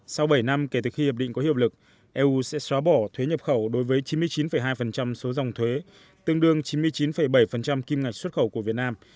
sau bảy năm kể từ khi hiệp định có hiệp lực eu sẽ xóa bỏ thuế nhập khẩu đối với chín mươi chín hai số dòng thuế tương đương chín mươi chín bảy kim ngạch xuất khẩu của việt nam